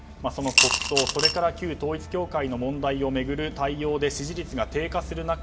国葬や旧統一教会の問題を巡る対応で支持率が低下する中